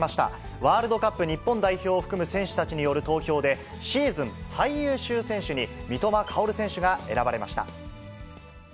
ワールドカップ日本代表を含む選手たちによる投票で、シーズン最優秀選手に、三笘薫選手が選ばれました。